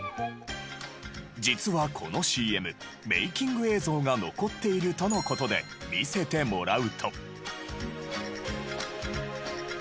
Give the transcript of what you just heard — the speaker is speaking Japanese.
実はこのＣＭメイキング映像が残っているとの事で見せてもらうと。